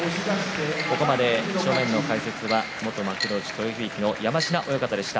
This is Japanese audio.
ここまで正面の解説は元幕内豊響の山科親方でした。